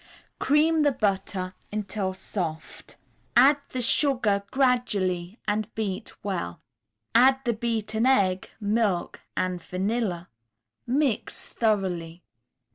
Cream the butter until soft; add the sugar gradually and beat well; add the beaten egg, milk and vanilla; mix thoroughly.